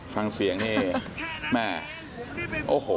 ฟังเสียงแต่โอ้โห